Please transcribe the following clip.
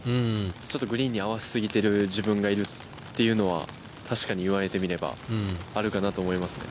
ちょっとグリーンに合わせ過ぎてる自分がいるというのは確かに言われてみれば、あるかなと思いますね。